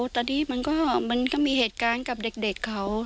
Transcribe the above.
ตอนนี้มันก็มีเหตุการณ์กับเด็กเขา